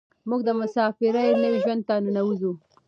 موږ د مساپرۍ نوي ژوند ته ننوځو.